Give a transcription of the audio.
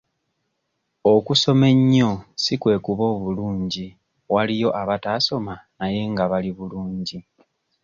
Okusoma ennyo si kwe kuba obulungi waliyo abataasoma naye nga bali bulungi.